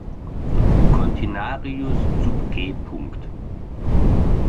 Cortinarius subg.